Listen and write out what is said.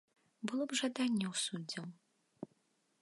Было б жаданне ў суддзяў.